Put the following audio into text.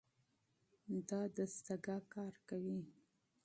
دا دستګاه کار کوي.